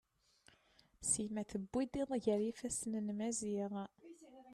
Sima tewwid iḍ gar yifasen n Maziɣ.